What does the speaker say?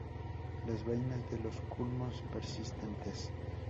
Las vainas de los culmos persistentes.